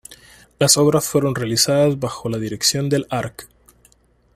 Las obras fueron realizadas bajo la dirección del Arq.